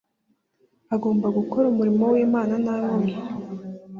Agomba gukora umurimo w’Imana nta nkomyi.